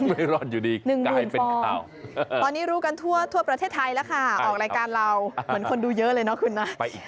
หนึ่งหมุนฟองตอนนี้รู้กันทั่วประเทศไทยแล้วค่ะออกรายการเราเหมือนคนดูเยอะเลยนะคุณน้ำ